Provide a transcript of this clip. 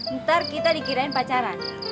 ntar kita dikirain pacaran